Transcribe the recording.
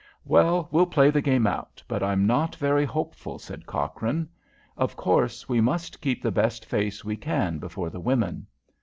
"Well, we'll play the game out, but I'm not very hopeful," said Cochrane. "Of course, we must keep the best face we can before the women.